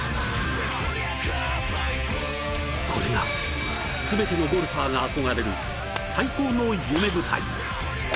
これが全てのゴルファーが憧れる最高の夢舞台。